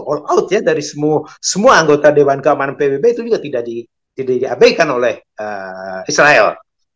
all out ya dari semua anggota dewan keamanan pbb itu juga tidak diabaikan oleh israel